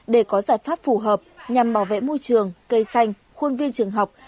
để có giải pháp phù hợp nhằm bảo vệ môi trường cây xanh khuôn viên trường học